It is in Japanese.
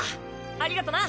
ありがとな。